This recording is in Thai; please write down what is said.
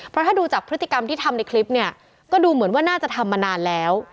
เพราะถ้าดูจากพฤติกรรมที่ทำในคลิปเนี่ยก็ดูเหมือนว่าน่าจะทำมานานแล้ว